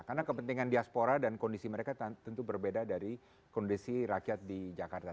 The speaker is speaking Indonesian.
karena kepentingan diaspora dan kondisi mereka tentu berbeda dari kondisi rakyat di jakarta